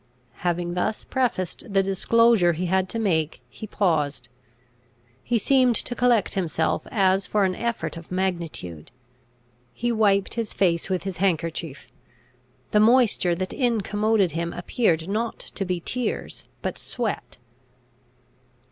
Having thus prefaced the disclosure he had to make, he paused. He seemed to collect himself as for an effort of magnitude. He wiped his face with his handkerchief. The moisture that incommoded him appeared not to be tears, but sweat.